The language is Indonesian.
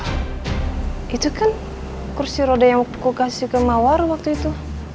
itu kan kursi roda yang kukasi ke mawar waktu itu